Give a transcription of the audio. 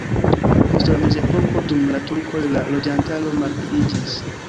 Post la mezepoko dum la turkoj la loĝantaro malpliiĝis.